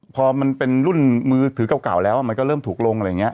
พอมันเป็นรุ่นมือถือเก่าแล้วมันก็เริ่มถูกลงอะไรอย่างนี้